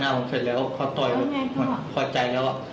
เขากระแทกเสร็จแล้วเขาก็ต่อยแม่ย้ำเลย